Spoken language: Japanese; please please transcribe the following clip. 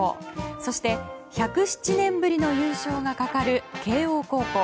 そして、１０７年ぶりの優勝がかかる慶應高校。